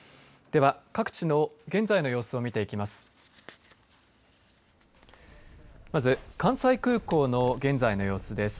では、各地の現在の様子を見ていきます。